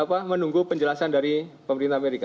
kita sedang menunggu penjelasan dari pemerintah amerika